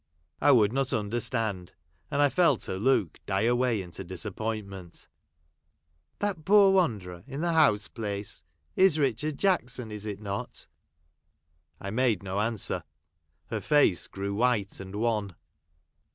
I would not understand, and I felt her look die away into disappoint ment. " That poor wanderer in the house place is Richard Jackson, is it not 1 " I made no answer. Her face grew white and wan.